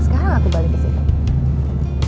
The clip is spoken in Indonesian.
sebenarnya aku udah lama banget sih pengen pulang ke indonesia